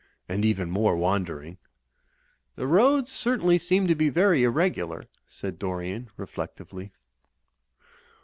And even more wan dering." "The roads certainly seem to be very irregular/' said Dorian, reflectively.